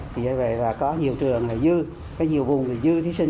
thì vậy là có nhiều trường là dư có nhiều vùng là dư thí sinh